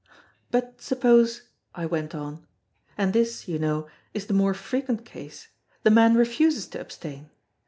"But, suppose," I went on, "and this, you know; is the more frequent case, the man refuses to abstain.